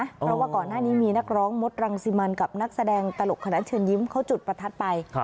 เพราะว่าก่อนหน้านี้มีนักร้องมดรังสิมันกับนักแสดงตลกคณะเชิญยิ้มเขาจุดประทัดไป